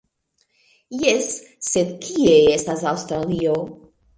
Jes, sed kie estas Aŭstralio?